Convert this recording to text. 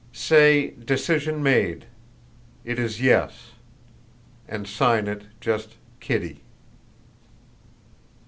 "Say: 'Decision made. It is yes.' And sign it just Kitty."